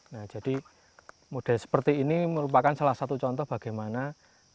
nah jadi model seperti ini merupakan salah satu contoh bagaimana angkreg yang menempel